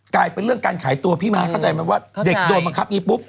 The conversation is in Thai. กลายเป็นเรื่องการขายตัวพี่ม้าเข้าใจไหมว่าเด็กโดนบังคับอย่างนี้ปุ๊บ